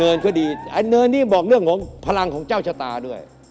ดีอันเนินนี่บอกเรื่องของพลังของเจ้าชะตาด้วย